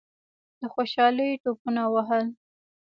له خوشالۍ ټوپونه ووهل.